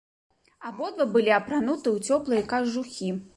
Абодва былі апрануты ў цёплыя кажухі.